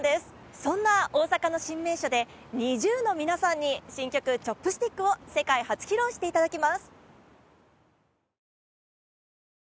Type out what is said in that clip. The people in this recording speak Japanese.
そんな大阪の新名所でＮｉｚｉＵの皆さんに新曲Ｃｈｏｐｓｔｉｃｋを世界初披露していただきます。